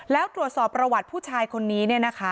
แล้วตรวจสอบประวัติผู้ชายคนนี้